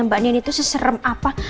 mbak nia itu seserem apa